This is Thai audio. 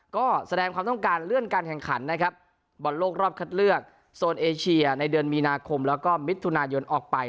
ก็แสดงความต้องการเลื่อนการแข่งขันนะครับบอลโลกรอบคัดเลือกโซนเอเชียในเดือนมีนาคมแล้วก็มิถุนายนออกไป